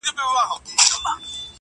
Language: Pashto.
• لاس په دعا سی وطندارانو -